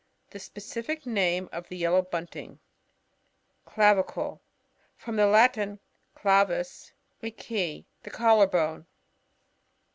The specific name of the Ye low Bunting. Clavicle. — From the Latin, cUivia, a key. The collar bone.